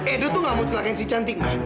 edo tuh gak mau celakakan si cantik ma